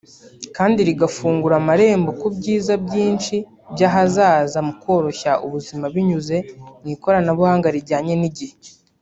kandi rigafungura amarembo ku byiza byinshi by’ahazaza mu koroshya ubuzima binyuze mu ikoranabuhanga rijyanye n’igihe